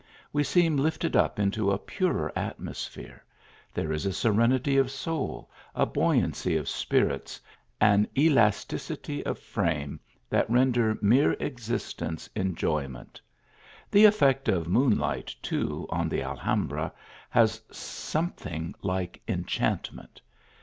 We seem lifted up into a purer atmosphere ; there is a serenity of soul, a buoyancy of spirits, an elasticity of frame that render mere ex istence enjoyment. The effect of moonlight, too, on the Alhambra has something like enchantment.